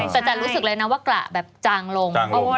แต่จันรู้สึกเลยนะว่ากระแบบจางลง